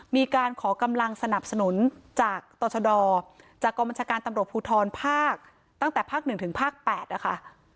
มีการขอกำลังสนับสนุนจากตรชดจากกองบัญชาการตำรวจภูทรภาคตั้งแต่ภาค๑ถึงภาค๘นะคะ